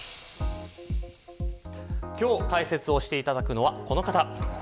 今日解説をしていただくのはこの方。